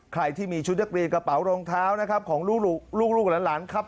ใครที่มีชุดนักเรียนกระเป๋ารองเท้านะครับของลูกหลานครับ